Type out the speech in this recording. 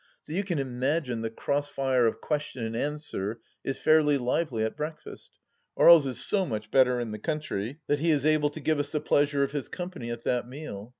So you can imagine the cross fire of question and answer is fairly lively at breakfast. (Aries is so much better in the country that he is able to give us the pleasure of his company at that meal.)